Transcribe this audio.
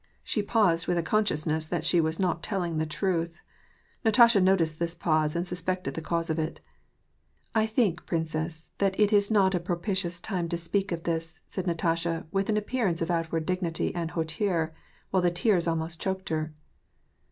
She paused with a consciousness that she was not tell ing the truth. Natasha noticed this pause, and suspected the cause of it. " I think, princess, that it is not a propitious time to speak of this," saicl Natasha, with an appearance of outward dignity and hauteur, while the tears almost choked her.